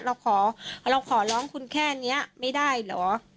เราขอเราขอร้องคุณแค่นี้ไม่ได้เหรอ